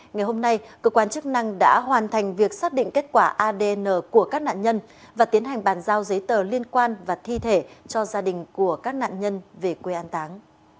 ngày hôm nay cơ quan chức năng đã hoàn thành việc xác định kết quả adn của các nạn nhân và tiến hành bàn giao giấy tờ liên quan và thi thể cho gia đình của các nạn nhân về quê an táng